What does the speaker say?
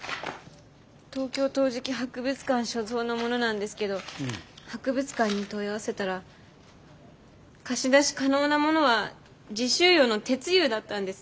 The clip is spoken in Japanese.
東京陶磁器博物館所蔵のものなんですけど博物館に問い合わせたら貸し出し可能なものは磁州窯の鉄釉だったんです。